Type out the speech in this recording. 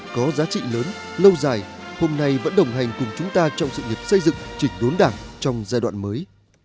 có giá trị lớn lâu dài hôm nay vẫn đồng hành cùng chúng ta trong sự nghiệp xây dựng chỉnh đốn đảng trong giai đoạn mới